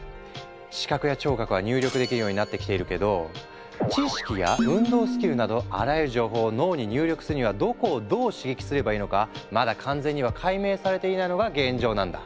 視覚や聴覚は入力できるようになってきているけど知識や運動スキルなどあらゆる情報を脳に入力するにはどこをどう刺激すればいいのかまだ完全には解明されていないのが現状なんだ。